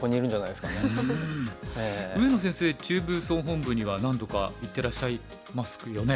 上野先生中部総本部には何度か行ってらっしゃいますよね。